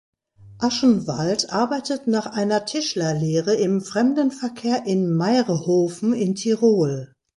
Aschenwald arbeitet nach einer Tischlerlehre im Fremdenverkehr in Mayrhofen in Tirol.